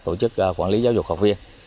tổ chức quản lý giáo dục học viên